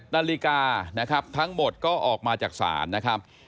นาฬิกานะครับทั้งหมดก็ออกมาจากศาลนะครับ